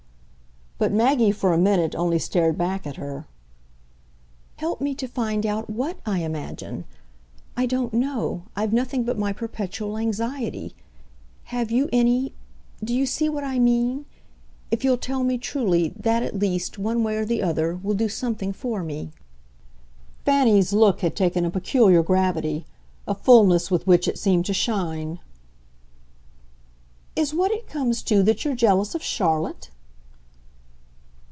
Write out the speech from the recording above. But Maggie for a minute only stared back at her. "Help me to find out WHAT I imagine. I don't know I've nothing but my perpetual anxiety. Have you any? do you see what I mean? If you'll tell me truly, that at least, one way or the other, will do something for me." Fanny's look had taken a peculiar gravity a fulness with which it seemed to shine. "Is what it comes to that you're jealous of Charlotte?"